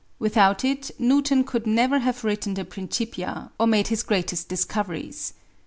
Without it Newton could never have written the Principia, or made his greatest discoveries.